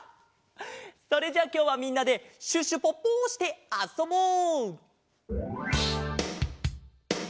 それじゃきょうはみんなでシュシュポポしてあそぼう！